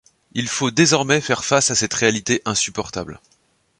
Il faut désormais faire face à cette réalité insupportable.